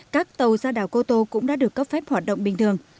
các tàu ra đảo cô tô cũng đã được cấp phép hoạt động bình thường